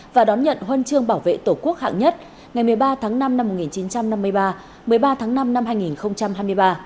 và đón nhận huân chương bảo vệ tổ quốc hạng nhất ngày một mươi ba tháng năm năm một nghìn chín trăm năm mươi ba một mươi ba tháng năm năm hai nghìn hai mươi ba